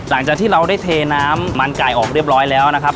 หลังจากที่เราได้เทน้ำมันไก่ออกเรียบร้อยแล้วนะครับ